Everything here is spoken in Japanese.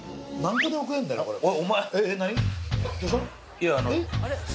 いやあの。